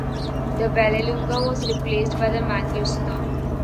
The Vallelunga was replaced by the Mangusta.